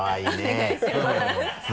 お願いします。